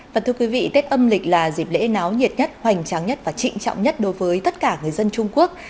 và thưa quý vị tết âm lịch là dịp lễ náo nhiệt nhất hoành tráng nhất và trịnh trọng nhất đối với tất cả người dân trung quốc